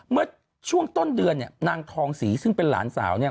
เมื่อช่วงต้นเดือนเนี่ยนางทองศรีซึ่งเป็นหลานสาวเนี่ย